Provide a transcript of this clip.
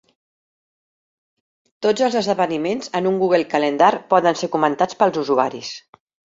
Tots els esdeveniments en un Google Calendar poden ser comentats pels usuaris.